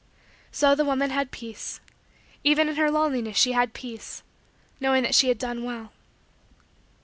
So the woman had peace. Even in her loneliness, she had peace knowing that she had done well.